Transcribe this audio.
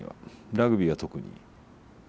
ラグビーは特に。